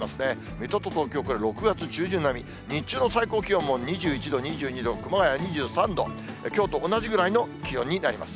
水戸と東京、これ、６月中旬並み、日中の最高気温も２１度、２２度、熊谷２３度、きょうと同じぐらいの気温になります。